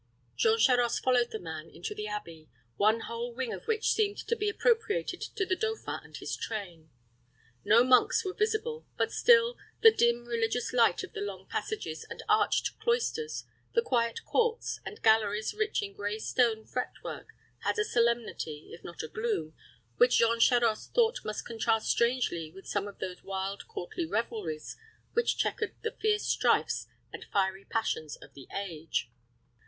Jean Charost followed the man into the abbey, one whole wing of which seemed to be appropriated to the dauphin and his train. No monks were visible; but still, the dim, religious light of the long passages and arched cloisters, the quiet courts, and galleries rich in gray stone fret work, had a solemnity, if not a gloom, which Jean Charost thought must contrast strangely with some of those wild courtly revelries which checkered the fierce strifes and fiery passions of the age.